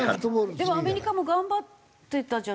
でもアメリカも頑張ってたじゃないですか。